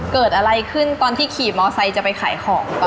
เกิดอะไรขึ้นตอนที่ขี่มอเตอร์ไซค์จะไปขายของตอนนั้น